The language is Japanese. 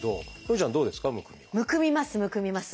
むくみますむくみます。